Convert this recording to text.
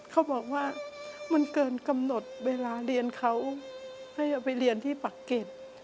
เขาบอกว่ามันเกินกำหนดเวลาเรียนเขาให้เอาไปเรียนที่ปักเก็ต